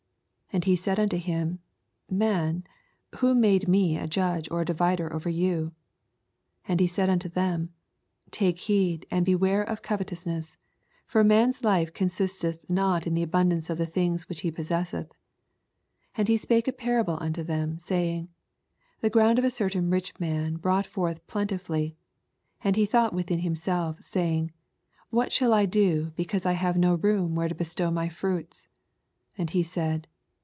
14 And he said nnto him, Man, who made me a judge or a divider over you ? 15 And he said nnto them, Take heed, and beware of covetousness : for a man's life consisteth not in the abnndance of the things which he possesseth. 16 And he spake a parable noto them, saying, The ground of a certain rich man brought forth plentifully : 17 And he thought within himsell^ saying, What shul I do, because I hnve no rooui where to bestow my fruila ? 18 And he said.